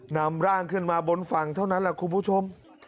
นำร่างขึ้นมาบนฝั่งเท่านั้นแหละคุณผู้ชม